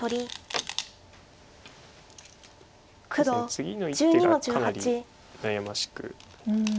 次の一手がかなり悩ましく。